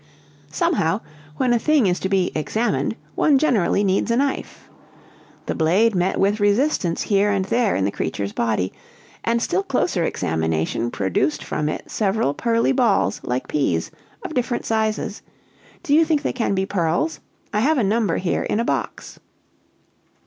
"Somehow, when a thing is to be 'examined,' one generally needs a knife. The blade met with resistance here and there in the creature's body; and still closer 'examination' produced from it several pearly balls like peas, of different sizes. Do you think they can be pearls? I have a number here in a box."